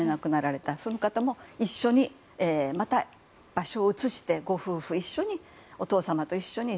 その方も一緒にまた場所を移してご夫婦一緒にお父様と一緒に。